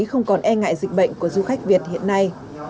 không còn e ngại dịch bệnh của du khách việt hiện nay